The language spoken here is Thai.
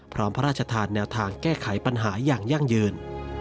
พระราชทานแนวทางแก้ไขปัญหาอย่างยั่งยืน